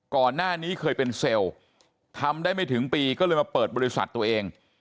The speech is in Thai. ก่อนหน้านี้เคยเป็นเซลล์ทำได้ไม่ถึงปีก็เลยมาเปิดบริษัทตัวเอง